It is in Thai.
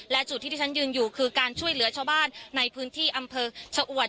และจุดที่ที่ฉันยืนอยู่คือการช่วยเหลือชาวบ้านในพื้นที่อำเภอชะอวด